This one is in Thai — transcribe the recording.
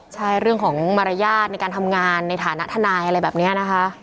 ใช่เรื่องของมารยาทในการทำงานในฐานะทนายอะไรแบบนี้นะคะ